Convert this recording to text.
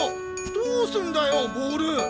どすんだよボール。